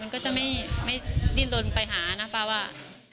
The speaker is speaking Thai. มันก็จะไม่ดิ้นลนไปหานะป้าว่า